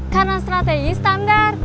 karena strategi standar